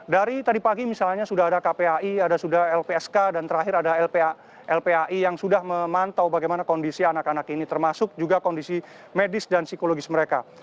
dari tadi pagi misalnya sudah ada kpai ada sudah lpsk dan terakhir ada lpai yang sudah memantau bagaimana kondisi anak anak ini termasuk juga kondisi medis dan psikologis mereka